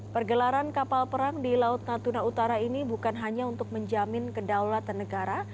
pergelaran kapal perang di laut natuna utara ini bukan hanya untuk menjamin kedaulatan negara